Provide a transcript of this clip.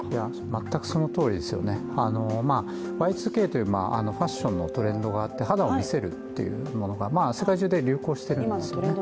まったくそのとおりですよね、Ｙ２Ｋというファッションのトレンドがあって、肌を見せる、世界中で流行しているんですね。